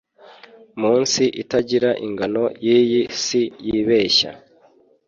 Munsi itagira ingano yiyi si yibeshya